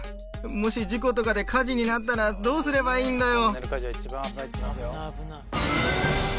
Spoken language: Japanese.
もし事故とかで火事になったらどうすればいいんだよ？